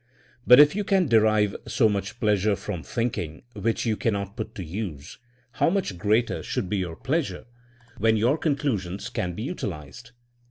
But if you can derive so much pleasure from thinking which you cannot put to use, how much greater should be your pleasure when your con THINEINa AS A SCIENCE 209 elusions can be utilized?